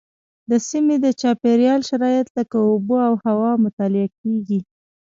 د سیمې د چاپیریال شرایط لکه اوبه او هوا مطالعه کېږي.